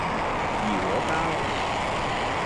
怡和街